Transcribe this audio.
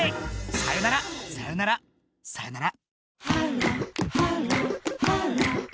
さよならさよならさよなら。